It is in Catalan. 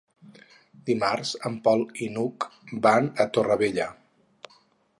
Dimarts en Pol i n'Hug van a Torrevella.